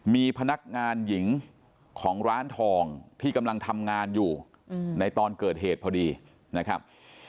มีพนักงานหญิงของร้านทองที่กำลังทำงานอยู่ในตอนเกิดเหตุพอดีนะครับ